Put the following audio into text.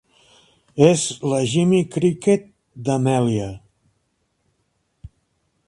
És la Jiminy Cricket d'Amelia.